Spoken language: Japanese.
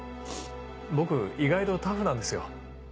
僕意外とタフなんですよ。